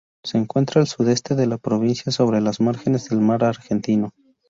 Se encuentra al sudeste de la provincia, sobre las márgenes del mar Argentino.